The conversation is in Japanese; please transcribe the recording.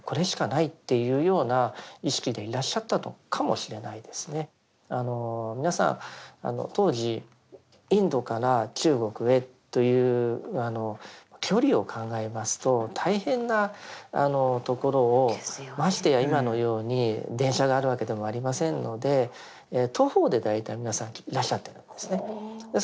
それはやはり皆さん当時インドから中国へという距離を考えますと大変なところをましてや今のように電車があるわけでもありませんので徒歩で大体皆さんいらっしゃってたんですね。